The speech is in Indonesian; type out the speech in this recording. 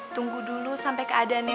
tunggu dulu sampe keadaannya